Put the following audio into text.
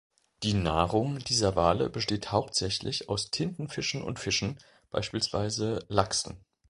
Die Nahrung dieser Wale besteht hauptsächlich aus Tintenfischen und Fischen, beispielsweise Lachsen.